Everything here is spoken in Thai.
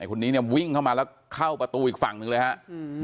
คนนี้เนี่ยวิ่งเข้ามาแล้วเข้าประตูอีกฝั่งหนึ่งเลยฮะ